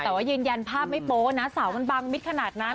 แต่ว่ายืนยันภาพไม่โป๊ะนะสาวมันบังมิดขนาดนั้น